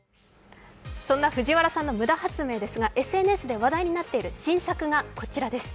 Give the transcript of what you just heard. そんな藤原さんの無駄発明ですが、ＳＮＳで話題になっている新作がこちらです。